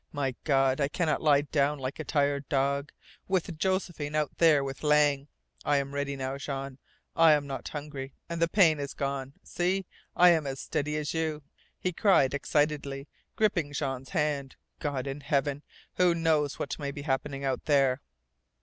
"My God, I cannot lie down like a tired dog with Josephine out there with Lang! I am ready now, Jean. I am not hungry. And the pain is gone. See I am as steady as you!" he cried excitedly, gripping Jean's hand. "God in Heaven, who knows what may be happening out there!"